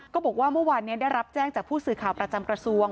ก็บอกว่าเมื่อวานนี้ได้รับแจ้งจากผู้สื่อข่าวประจำกระทรวง